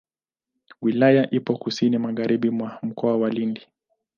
Wilaya ipo kusini magharibi mwa Mkoa wa Lindi.